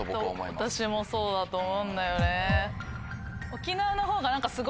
私もそうだと思うんだよね。